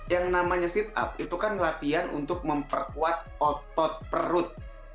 yang namanya sit up itu kan latihan untuk memperkuat otot perut